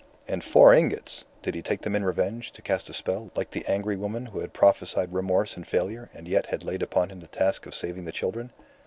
And four ingots! Did he take them in revenge, to cast a spell, like the angry woman who had prophesied remorse and failure, and yet had laid upon him the task of saving the children?